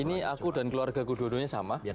ini aku dan keluarga kudu kudunya sama